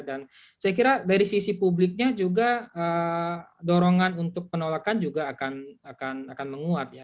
dan saya kira dari sisi publiknya juga dorongan untuk penolakan juga akan menguat ya